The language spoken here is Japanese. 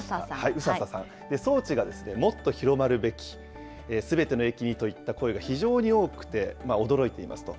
うさささん、装置がもっと広まるべき、すべての駅にといった声が非常に多くて、驚いていますと。